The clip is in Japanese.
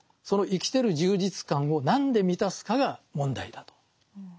その生きてる充実感を何で満たすかが問題だと。